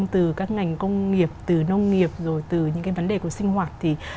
từ các ngành công nghiệp từ nông nghiệp rồi từ những cái vấn đề của sinh hoạt